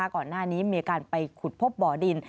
ก่อนหน้านี้มีการไปขุดพบบ่อดิน